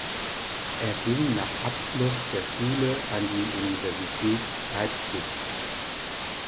Er ging nach Abschluss der Schule an die Universität Leipzig.